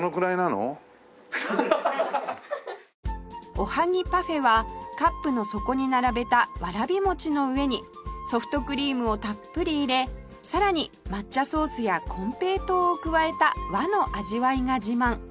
おはぎパフェはカップの底に並べたわらび餅の上にソフトクリームをたっぷり入れさらに抹茶ソースや金平糖を加えた和の味わいが自慢